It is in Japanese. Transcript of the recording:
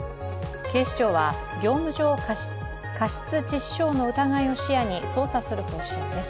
警視庁は、業務上過失致死傷の疑いを視野に捜査する方針です。